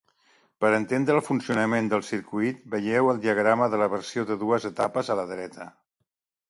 Per entendre el funcionament del circuit, vegeu el diagrama de la versió de dues etapes a la dreta.